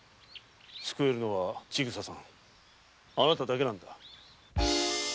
救えるのは千草さんあなただけなんだ。